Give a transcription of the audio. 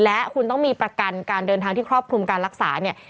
และคุณต้องมีประกันการเดินทางที่ครอบคลุมการรักษาเนี่ย